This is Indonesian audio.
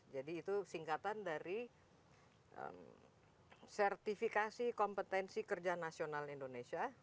jadi itu singkatan dari sertifikasi kompetensi kerja nasional indonesia